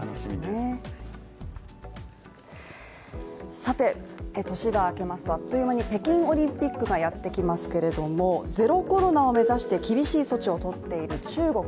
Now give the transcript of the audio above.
さて年が明けますとあっという間に北京オリンピックがやってきますけれどもゼロコロナを目指して厳しい措置を取っている中国